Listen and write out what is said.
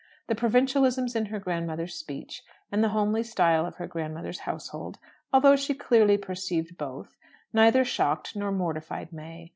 The provincialisms in her grand mother's speech, and the homely style of her grand mother's household although she clearly perceived both neither shocked nor mortified May.